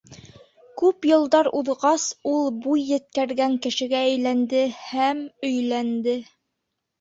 Күп йылдар уҙғас, ул буй еткергән кешегә әйләнде һәм... өйләнде.